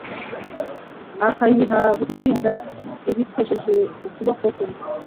akayiha gutsinda ibikesheje ukuboko kwe